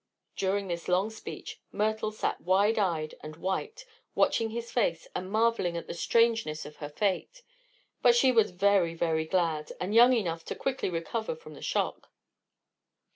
During this long speech Myrtle had sat wide eyed and white, watching his face and marveling at the strangeness of her fate. But she was very, very glad, and young enough to quickly recover from the shock.